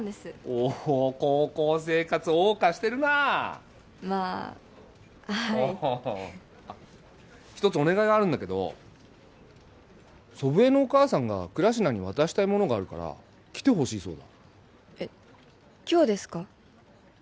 おお高校生活謳歌してるなまあはい一つお願いがあるんだけど祖父江のお母さんが倉科に渡したいものがあるから来てほしいそうだえっ今日ですか？